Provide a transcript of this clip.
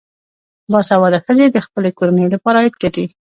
باسواده ښځې د خپلو کورنیو لپاره عاید ګټي.